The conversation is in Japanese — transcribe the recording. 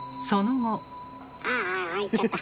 ああ行っちゃった。